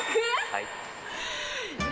はい。